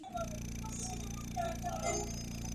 جهاني تا چي به یې شپې په کیسو سپینې کړلې.